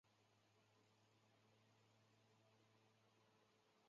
生于清圣祖康熙十一年。